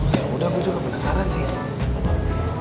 yaudah gue juga penasaran sih